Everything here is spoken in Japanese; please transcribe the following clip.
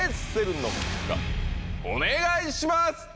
お願いします！